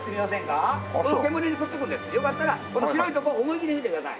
よかったらこの白いとこを思いっきり吹いてください。